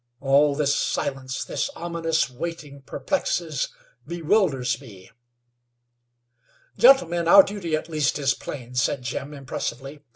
All this silence, this ominous waiting perplexes, bewilders me." "Gentlemen, our duty at least is plain," said Jim, impressively.